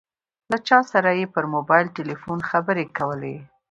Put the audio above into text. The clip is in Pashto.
له چا سره یې پر موبایل ټیلیفون خبرې کولې.